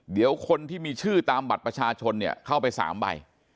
เดี๋ยวคนที่มีชื่อตามบัตรประชาชนเนี่ยเข้าไป๓ใบ